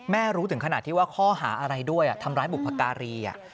รู้ถึงขนาดที่ว่าข้อหาอะไรด้วยทำร้ายบุพการี